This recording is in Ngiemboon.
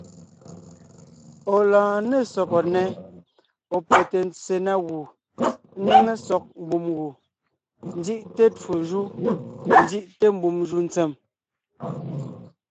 Ɔ̀ lɔɔn ne sɔgɔ nnɛ́, ɔ̀ pfɛte ntse na gù, ńnéŋe sɔg mbùm gù, ńzí’te twó jú, ńzí’te mbùm jù ntsèm.